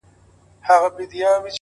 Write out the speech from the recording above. پر دې متل باندي څه شك پيدا سو~